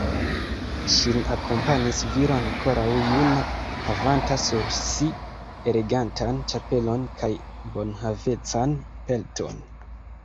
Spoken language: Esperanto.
Ŝin akompanis viro ankoraŭ juna, havanta sur si elegantan ĉapelon kaj bonhavecan pelton.